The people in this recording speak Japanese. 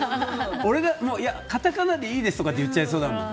俺だったらカタカナでいいですとかって言っちゃいそうだもん。